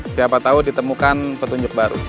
siapa tahu ditemukan petunjuk baru